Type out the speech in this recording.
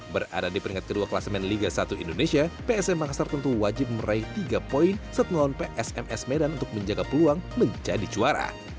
berada di peringkat kedua kelas men liga satu indonesia psm makassar tentu wajib meraih tiga poin saat melawan psms medan untuk menjaga peluang menjadi juara